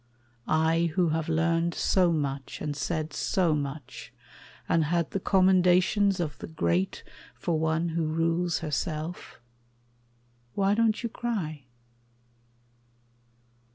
I, who have learned so much, and said so much, And had the commendations of the great For one who rules herself why don't you cry?